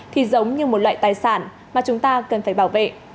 thì giống như một loại tài sản mà chúng ta cần phải bảo vệ